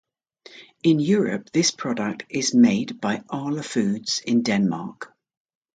In Europe this product is made by Arla Foods in Denmark.